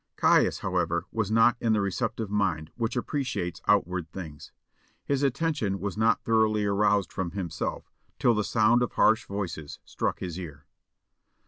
Caius, however, was not in the receptive mind which appreciates outward things. His attention was not thoroughly aroused from himself till the sound of harsh voices struck his ear.